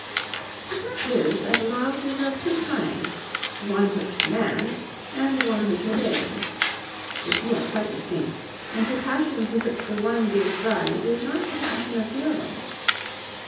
The fact is that love is of two kinds one which commands, and one which obeys. The two are quite distinct, and the passion to which the one gives rise is not the passion of the other.